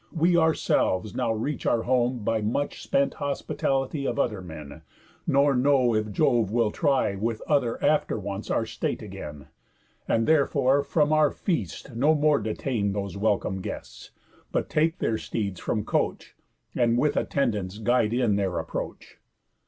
We ourselves now reach Our home by much spent hospitality Of other men; nor know if Jove will try With other after wants our state again; And therefore from our feast no more detain Those welcome guests, but take their steeds from coach, And with attendance guide in their approach."